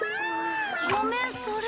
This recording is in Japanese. ごめんそれ。